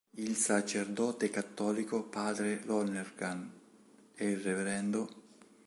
Il sacerdote cattolico, padre Lonergan e il Rev.